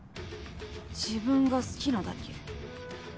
自分が好きなだけ？